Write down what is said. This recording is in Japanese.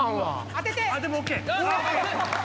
当てて！